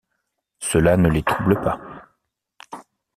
Cela ne les trouble pas.